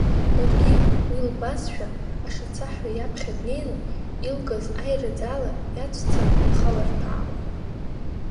Ларгьы, уи лбазшәа, ашацаҳәа иаԥхьа днеины, илкыз аирыӡ ала иаҵәца нхалырҭәаауан.